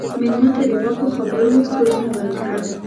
مېلمه ته د پاکو خبرو ګلونه ورکړه.